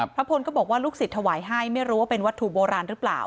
พลก็บอกว่าลูกศิษย์ถวายให้ไม่รู้ว่าเป็นวัตถุโบราณหรือเปล่า